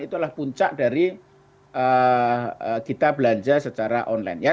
itulah puncak dari kita belanja secara online